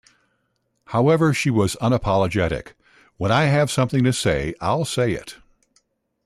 However she was unapologetic: When I have something to say, I'll say it.